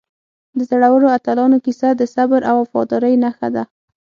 د زړورو اتلانو کیسه د صبر او وفادارۍ نښه ده.